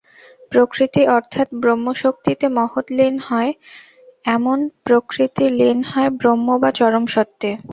প্রকৃতি অর্থাৎ ব্রহ্মশক্তিতে মহৎ লীন হয় এবং প্রকৃতি লীন হয় ব্রহ্ম বা চরম সত্যে।